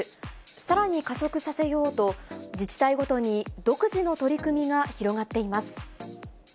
さらに加速させようと、自治体ごとに独自の取り組みが広がっています。